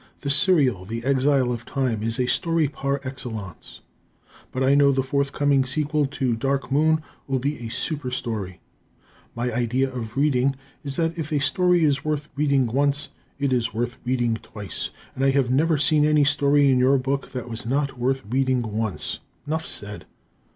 The serial, "The Exile of Time," is a story par excellence. But I know the forthcoming sequel to "Dark Moon" will be a super story. My idea of reading is that if a story is worth reading once it is worth reading twice, and I have never seen any story in your book that was not worth reading once. Nuff said.